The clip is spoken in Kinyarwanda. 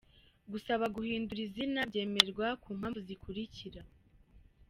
Gusaba guhindura izina byemerwa ku mpamvu zikurikira:.